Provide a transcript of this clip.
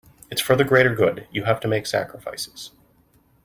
It’s for the greater good, you have to make sacrifices.